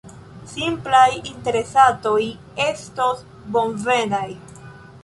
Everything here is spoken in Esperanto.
Simplaj interesatoj estos bonvenaj.